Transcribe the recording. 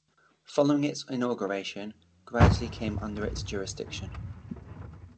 Following its inauguration, gradually came under its jurisdiction.